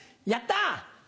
やった！